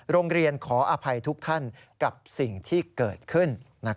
โรงเรียนขออภัยทุกท่านกับสิ่งที่เกิดขึ้น